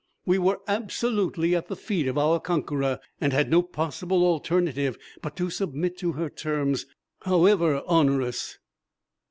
We were absolutely at the feet of our conqueror and had no possible alternative but to submit to her terms, however onerous.